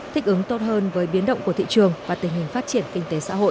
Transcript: thích ứng tốt hơn với biến động của thị trường và tình hình phát triển kinh tế xã hội